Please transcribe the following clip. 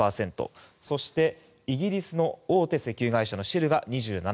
そして、イギリスの大手石油会社のシェルが２７．５％。